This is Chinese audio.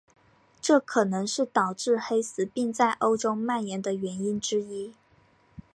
这可能是导致黑死病在欧洲蔓延的原因之一。